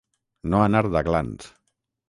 No anar d'aglans.